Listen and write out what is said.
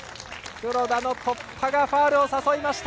黒田の突破がファウルを誘いました。